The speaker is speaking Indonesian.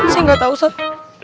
saya nggak tahu ustadz